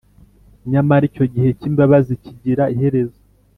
nyamara icyo gihe cy’imbabazi kigira iherezo